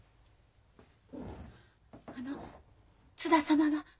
あの津田様が。